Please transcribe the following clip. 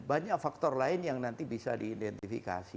banyak faktor lain yang nanti bisa diidentifikasi